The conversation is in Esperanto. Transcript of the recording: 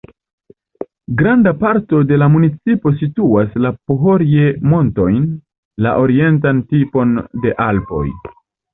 Granda parto de la municipo situas la Pohorje-montojn, la orientan tipon de Alpoj.